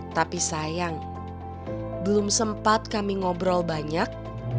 tapi sayang belum sempat kami ngobrol banyak